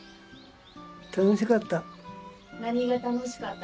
楽しかった。